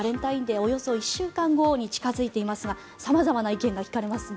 およそ１週間後に近付いていますが様々な意見が聞かれますね。